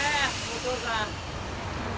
お父さん。